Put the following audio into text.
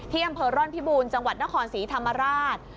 อำเภอร่อนพิบูรณ์จังหวัดนครศรีธรรมราช